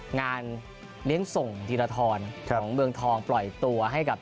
งานเลี้ยงส่งธีรทรของเมืองทองปล่อยตัวให้กับ